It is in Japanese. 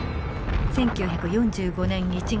１９４５年１月。